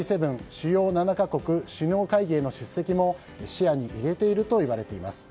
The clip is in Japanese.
・主要７か国首脳会議への出席も視野に入れているといわれています。